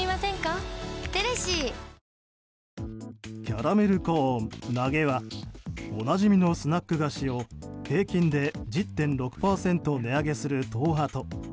キャラメルコーン、なげわおなじみにスナック菓子を平均で１０．６％値上げする東ハト。